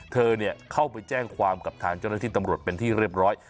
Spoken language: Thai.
เธอเข้าไปแจ้งความกับทางเจ้าหน้าที่ตำรวจเป็นที่เรียบร้อย